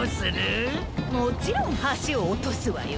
もちろんはしをおとすわよ。